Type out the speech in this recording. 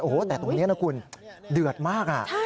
โอ้โหแต่ตรงนี้นะคุณเดือดมาก